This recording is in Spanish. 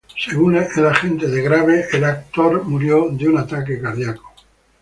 Según el agente de Graves, el actor murió de un ataque cardíaco.